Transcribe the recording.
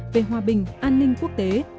về hòa bình an ninh quốc tế